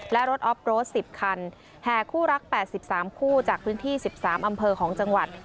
และรถออฟโรส๑๐คันแห่คู่รัก๘๓คู่จากพื้นที่๑๓อำเภอของจังหวัด